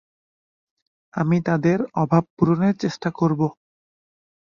আমি তাদের অভাব পূরণের চেষ্টা করব।